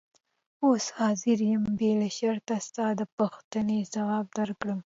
اوس حاضر یم بې شرطه ستا د پوښتنې ځواب درکړم.